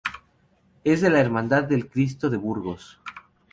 Es de la Hermandad del Cristo de Burgos.